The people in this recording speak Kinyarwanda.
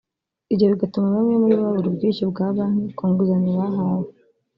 ibyo bigatuma bamwe muri bo babura ubwishyu bwa banki ku nguzanyo bahawe